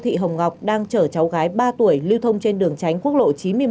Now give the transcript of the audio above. thị hồng ngọc đang chở cháu gái ba tuổi lưu thông trên đường tránh quốc lộ chín mươi một